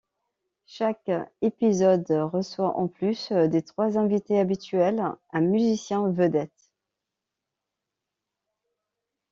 Chaque épisode reçoit en plus des trois invités habituels un musicien vedette.